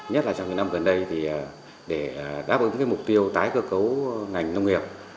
nhất là trong những năm gần đây để đáp ứng mục tiêu tái cơ cấu ngành nông nghiệp